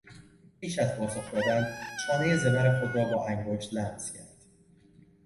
پیش از پاسخ دادن، چانهی زبر خود را با انگشت لمس کرد.